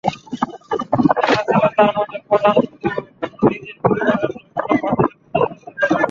এটা ছিল তার মধ্যে প্রধান-শুধু নিজের পরিবারের নয়, পুরো ব্রাজিলের প্রতিনিধিত্ব করা।